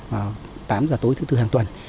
vào tám giờ tối thứ tư hàng tuần